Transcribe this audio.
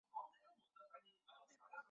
精神科医生亦证实被告患有妄想症。